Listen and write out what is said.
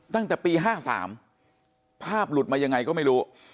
ตั้งแต่ปี๕๓ภาพหลุดมายังไงก็ไม่รู้